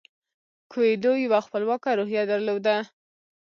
کویلیو یوه خپلواکه روحیه درلوده.